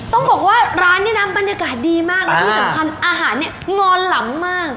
ต้องบอกว่าร้านนี้นะบรรยากาศดีมากแล้วที่สำคัญอาหารเนี่ยงอนหลำมาก